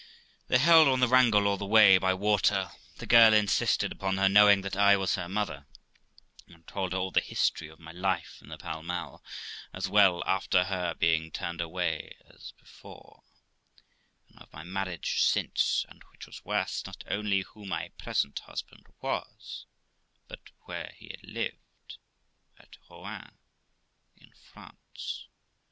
They held on the wrangle all the way by water; the girl insisted upon her knowing that I was her mother, and told her all the history of my life in the Pall Mall, as well after her being turned away as before, and of my marriage since; and, which was worse, not only who my present husband was, but where he had lived, viz. at Rouen in France.